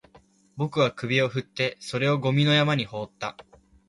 僕は首を振って、それをゴミの山に放った